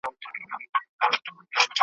ماته مي پیاله کړه میخانې را پسي مه ګوره `